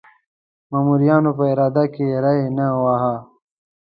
مامورینو په اداره کې ری نه واهه.